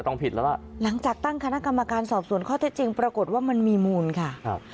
ผิดแล้วล่ะหลังจากตั้งคณะกรรมการสอบส่วนข้อเท็จจริงปรากฏว่ามันมีมูลค่ะครับ